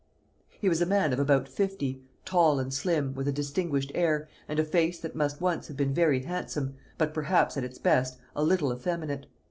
He was a man of about fifty, tall and slim, with a distinguished air, and a face that must once have been very handsome, but perhaps, at its best, a little effeminate.